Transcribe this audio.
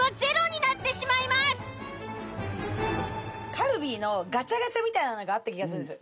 「カルビー」のガチャガチャみたいなのがあった気がするんです。